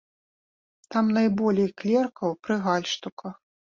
Там найболей клеркаў пры гальштуках.